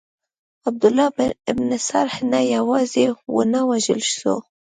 عبدالله بن ابی سرح نه یوازي ونه وژل سو.